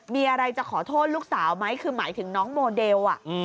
มีอะไรจะขอโทษลูกสาวไหมคือหมายถึงน้องโมเดล